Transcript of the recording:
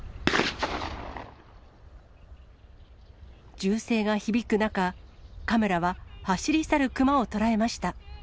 銃声が響く中、カメラは走り去る熊を捉えました。